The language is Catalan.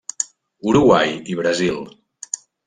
Uruguai i Brasil.